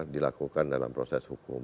dilakukan dalam proses hukum